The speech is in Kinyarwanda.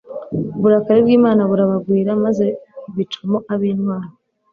uburakari bw'imana burabagwira, maze ibicamo ab'intwari